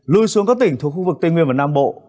lui xuống các tỉnh thuộc khu vực tây nguyên và nam bộ